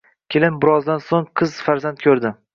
Kelin birozdan so`ng qiz farzand ko`rdi